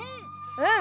うん！